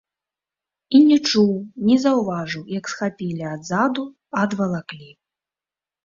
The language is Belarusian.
І не чуў, не заўважыў, як схапілі адзаду, адвалаклі.